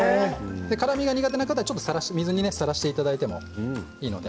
辛みが苦手な方は水にさらしていただいてもいいです。